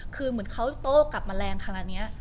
คือเหมือนเขาโต้กลับมาแรงขนาดนี้